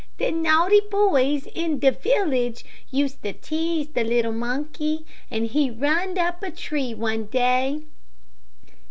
De naughty boys in de village used to tease de little monkey, and he runned up a tree one day.